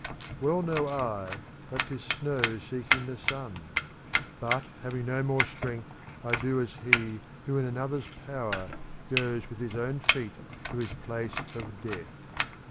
Well know I that 'tis snow seeking the sun, But, having no more strength, I do as he who in another's power goes with his own feet to his place of death.